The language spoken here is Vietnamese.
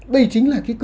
đây chính là cái cơ chế